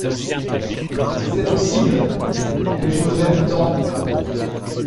C’est possible ! mais je vous aime tant !